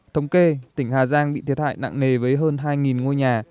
thống kê tỉnh hà giang bị thiệt hại nặng nề với hơn hai ngôi nhà